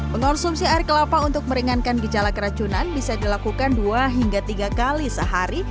pengonsumsi air kelapa untuk meringankan gejala keracunan bisa dilakukan dua hingga tiga kali sehari